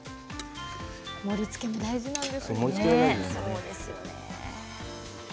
盛りつけも大事なんですね。